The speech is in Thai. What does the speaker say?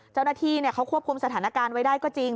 เจ้าหน้าที่เขาควบคุมสถานการณ์ไว้ได้ก็จริง